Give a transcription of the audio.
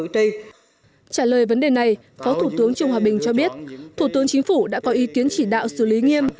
trả lời vấn đề này phó thủ tướng trương hòa bình cho biết thủ tướng chính phủ đã có ý kiến chỉ đạo xử lý nghiêm